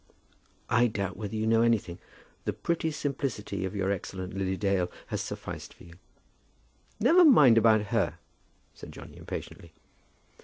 "I doubt whether you know anything. The pretty simplicity of your excellent Lily Dale has sufficed for you." "Never mind about her," said Johnny impatiently.